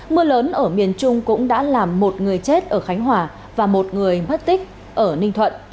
mưa lớn ở miền trung cũng đã làm một người chết ở khánh hòa và một người mất tích ở ninh thuận